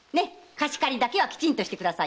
貸し借りだけはきちんとしてくださいよ。